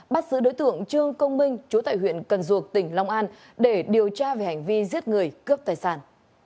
bắt giữ đối tượng trương công minh chú tại huyện cần duộc tỉnh long an để điều tra về hành vi giết người cướp tài sản